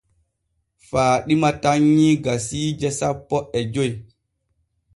Faaɗima tannyii gasiije sapo e joy.